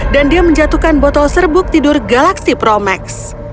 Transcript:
dan dia menjatuhkan botol serbuk tidur galaxy pro max